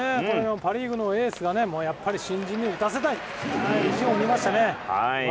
パ・リーグのエースがやっぱり新人に打たせないという意地を見せましたね。